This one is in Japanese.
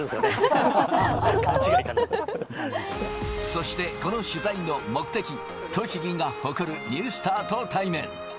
そしてこの取材の目的、栃木が誇るニュースターと対面。